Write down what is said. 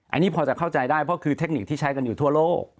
อันนี้พอจะเข้าใจได้เพราะคือเทคนิคที่ใช้กันอยู่ทั่วโลก